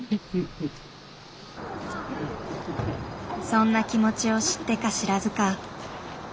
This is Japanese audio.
そんな気持ちを知ってか知らずか。